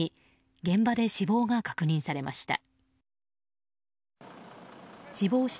現場で死亡が確認されました。